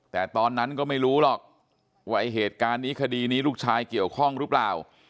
แต่ตอนนั้นก็ไม่รู้หรอกว่าไอ้เหตุการณ์นี้คดีนี้ลูกชายเกี่ยวข้องหรือเปล่า